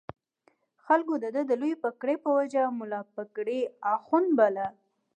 خلکو د ده د لویې پګړۍ په وجه ملا پګړۍ اخُند باله.